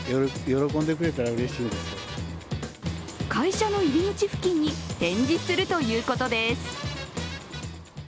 会社の入り口付近に展示するということです。